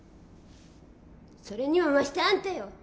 それにもましてあんたよ。